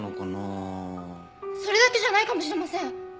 それだけじゃないかもしれません！